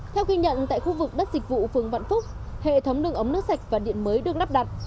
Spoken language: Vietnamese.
theo ghi nhận tại khu vực đất dịch vụ phường vạn phúc hệ thống đường ống nước sạch và điện mới được lắp đặt